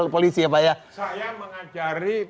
polisi ya pak ya saya mengajari